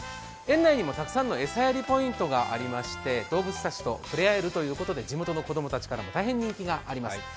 園内にもたくさんの餌やりポイントがありまして動物たちと触れ合えるということで地元の子供たちからも大変人気があります。